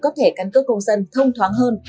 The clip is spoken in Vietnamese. cấp thẻ căn cước công dân thông thoáng hơn